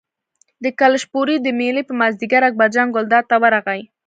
د کلشپورې د مېلې په مازدیګر اکبرجان ګلداد ته ورغی.